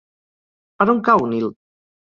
Per on cau Onil?